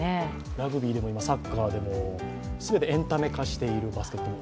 ラグビーでもサッカーでも全てエンタメ化している、バスケットも。